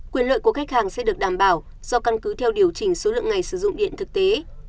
quyền lợi của khách hàng sẽ được đảm bảo do căn cứ theo điều chỉnh số lượng ngày sử dụng điện thực tế